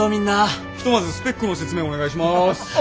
ひとまずスペックの説明お願いします。